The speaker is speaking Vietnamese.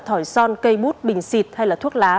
thỏi son cây bút bình xịt hay là thuốc lá